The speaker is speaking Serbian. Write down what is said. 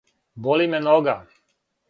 Боли ме нога.